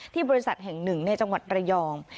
บริษัทแห่งหนึ่งในจังหวัดระยอง